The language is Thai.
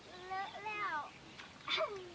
ไงเดี๋ยวช่วยก้องก่อน